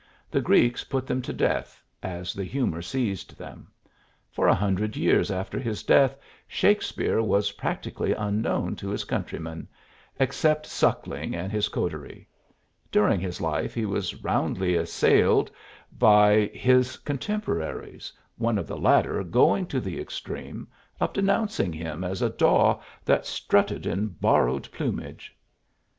The Greeks put them to death, as the humor seized them. For a hundred years after his death Shakespeare was practically unknown to his countrymen, except Suckling and his coterie: during his life he was roundly assailed by his contemporaries, one of the latter going to the extreme of denouncing him as a daw that strutted in borrowed plumage.